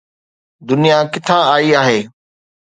دنيا ڪٿان آئي آهي؟